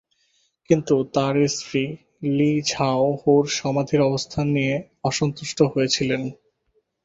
কিন্তু তার স্ত্রী লি ঝাও হু’র সমাধির অবস্থান নিয়ে অসন্তুষ্ট হয়েছিলেন।